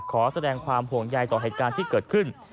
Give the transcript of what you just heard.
ขอแสดงความห่วงใยต่อเหตุการณ์ที่เกิดขึ้น